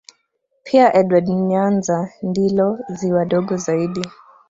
Pia Edward Nyanza ndilo ziwa dogo zaidi